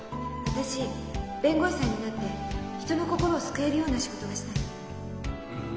私弁護士さんになって人の心を救えるような仕事がしたいの。